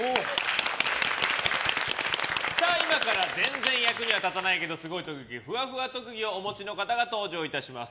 今から全然役には立たないけどすごい特技ふわふわ特技をお持ちの方が登場します。